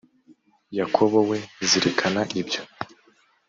yakobo we zirikana ibyo